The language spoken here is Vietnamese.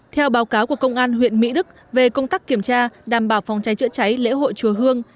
theo báo cáo của công an huyện mỹ đức về công tác kiểm tra đảm bảo phòng cháy chữa cháy lễ hội chùa hương